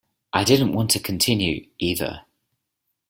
I didn't want to continue, either.